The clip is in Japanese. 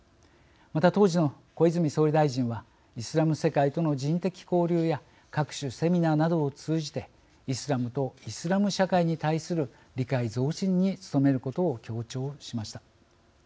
また当時の小泉総理大臣はイスラム世界との人的交流や各種セミナーなどを通じてイスラムとイスラム社会に対する理解増進に努めることを強調しました。